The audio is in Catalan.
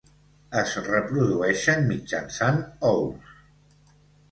Es reprodueixen mitjançant ous.